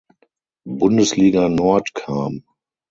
Bundesliga Nord kam.